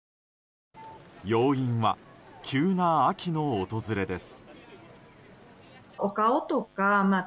要因は、急な秋の訪れです。